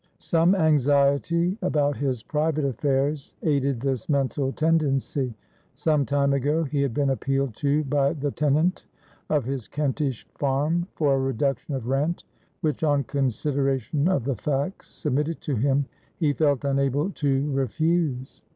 Some anxiety about his private affairs aided this mental tendency. Some time ago, he had been appealed to by the tenant of his Kentish farm for a reduction of rent, which, on consideration of the facts submitted to him, he felt unable to refuse.